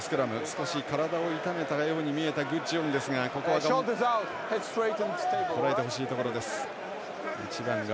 少し体を痛めたように見えた具智元ですがここはこらえてほしいところです。